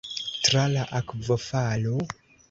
Tra la akvofalo?